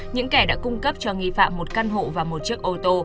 những kẻ đã cung cấp cho nghi phạm một căn hộ và một chiếc ô tô